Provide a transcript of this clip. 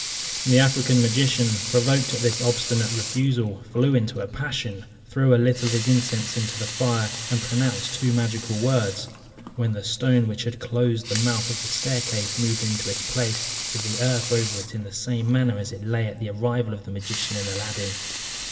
The African magician, provoked at this obstinate refusal, flew into a passion, threw a little of his incense into the fire, and pronounced two magical words, when the stone which had closed the mouth of the staircase moved into its place, with the earth over it in the same manner as it lay at the arrival of the magician and Aladdin.